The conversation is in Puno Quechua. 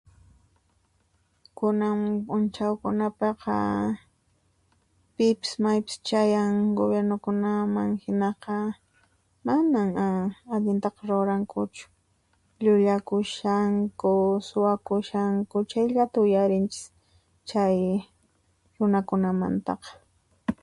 KUNAN P'UNCHAW KUNAPAQA , PIPIS MAYPIS CHAYAN GOBIERNOKUNAMAN HINAQA, MANAN A ALLINTAQA RURANKUCHU LLULLAKUSHANKU, SUWAKUSHANKU, CHAYLLATA UYARINCHIS CHAY RUNAKUNAMANTAQA